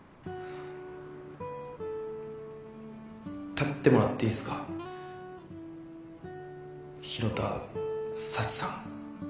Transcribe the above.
立ってもらっていいっすか弘田佐知さん。